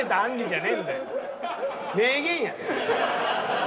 名言やで。